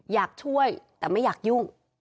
อยากช่วยแต่ไม่อยากยุ่ง